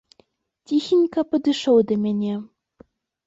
Ціхенька падышоў да мяне.